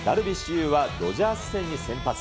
有はドジャース戦に先発。